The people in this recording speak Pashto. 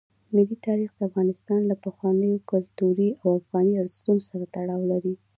ملي تاریخ د افغانستان له پخوانیو کلتوري او افغاني ارزښتونو سره تړاو لري.